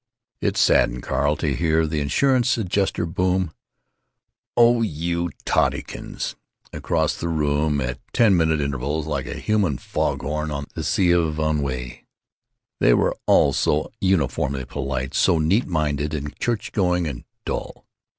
It saddened Carl to hear the insurance adjuster boom, "Oh you Tottykins!" across the room, at ten minute intervals, like a human fog horn on the sea of ennui. They were all so uniformly polite, so neat minded and church going and dull.